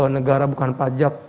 negara bukan pajak